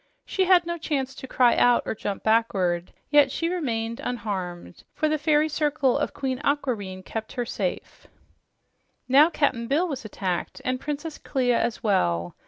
She had no chance to cry out or jump backward, yet she remained unharmed. For the Fairy Circle of Queen Aquareine kept her safe. Now Cap'n Bill was attacked, and Princess Clia as well.